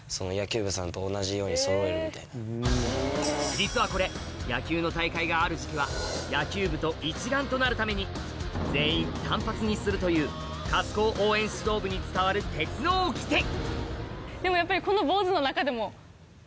実はこれ野球の大会がある時期は野球部と一丸となるために全員短髪にするという春高応援指導部に伝わる鉄の掟はい。